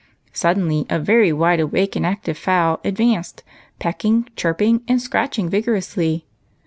Suddenly a very wide awake and active fowl advanced, pecking, chirping, and scratching vigorously.